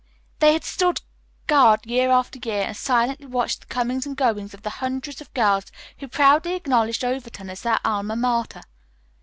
They had stood guard year after year and silently watched the comings and goings of the hundreds of girls who proudly acknowledged Overton as their Alma Mater.